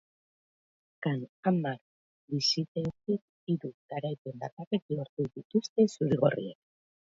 Azkan hamar bisitetatik hiru garaipen bakarrik lortu dituzte zuri-gorriek.